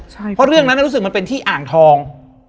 เพราะเรื่องนั้นรู้สึกมันเป็นที่อ่างทอง